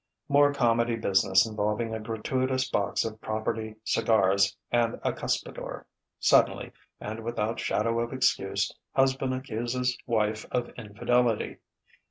_) More comedy business involving a gratuitous box of property cigars and a cuspidor. Suddenly and without shadow of excuse, husband accuses wife of infidelity.